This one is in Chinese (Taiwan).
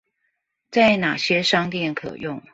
在哪些商店可用